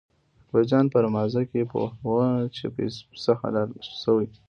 اکبر جان په رمازه کې پوهوه چې پسه حلال شوی.